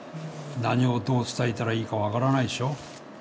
何をどう伝えたらいいか分からないでしょ